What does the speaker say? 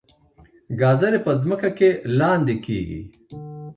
ګازرې په ځمکه کې لاندې کیږي